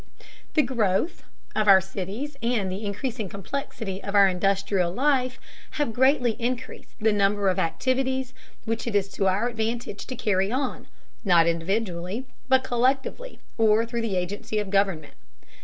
The growth of our cities and the increasing complexity of our industrial life have greatly increased the number of activities which it is to our advantage to carry on, not individually, but collectively or through the agency of government.